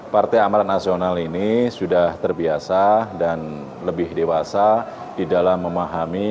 partai amaran nasional ini sudah terbiasa dan lebih dewasa di dalam memahami